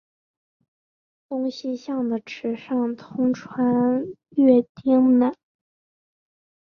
东西向的池上通穿越町内。